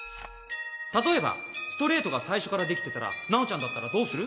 例えばストレートが最初からできてたら直ちゃんだったらどうする？